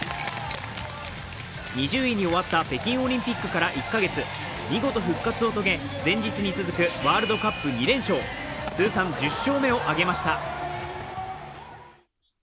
２０位に終わった北京オリンピックから１カ月、見事、復活をとげ連日に続くワールドカップ２連勝、通算１０勝目を挙げました。